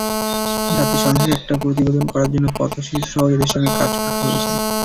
জাতিসংঘের একটা প্রতিবেদন করার জন্য পথশিশুসহ এদের সঙ্গে কাজ করতে হয়েছে।